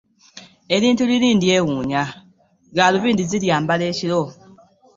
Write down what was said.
Elintu liri ndyewuunya , galubindi zilyambala ekiro .